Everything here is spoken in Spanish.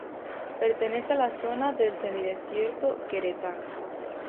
Pertenece a la zona del semidesierto queretano.